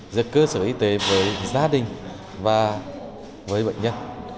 giữa cơ sở y tế với gia đình và với bệnh nhân